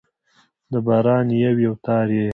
د باران یو، یو تار يې